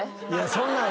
そんなん。